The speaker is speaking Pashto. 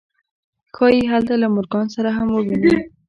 ښایي هلته له مورګان سره هم وویني